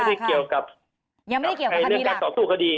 ไม่ได้เกี่ยวกับยังไม่ได้เกี่ยวกับคดีหลักในเรื่องการต่อสู้คดี